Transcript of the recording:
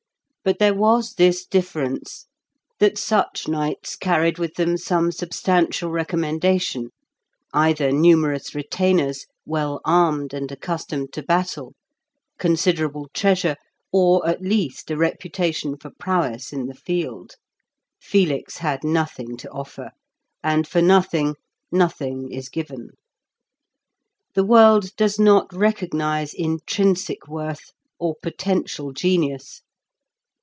But there was this difference: that such knights carried with them some substantial recommendation, either numerous retainers well armed and accustomed to battle, considerable treasure, or at least a reputation for prowess in the field. Felix had nothing to offer, and for nothing nothing is given. The world does not recognise intrinsic worth, or potential genius.